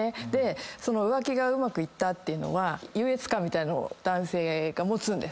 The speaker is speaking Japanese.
その浮気がうまくいったって優越感みたいなのを男性が持つんです。